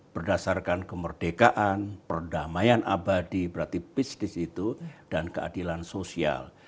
berdasarkan kemerdekaan perdamaian abadi berarti peace di situ dan keadilan sosial